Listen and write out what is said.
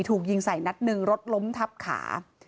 ถูกยิงใส่นัดหนึ่งรถล้มทับขา